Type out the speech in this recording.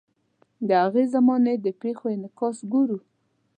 د هغې زمانې د پیښو انعکاس ګورو.